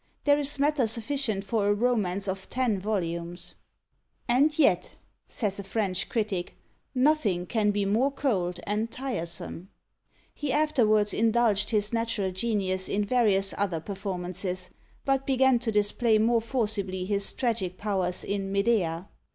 There is matter sufficient for a romance of ten volumes; "And yet," says a French critic, "nothing can be more cold and tiresome." He afterwards indulged his natural genius in various other performances; but began to display more forcibly his tragic powers in Medea.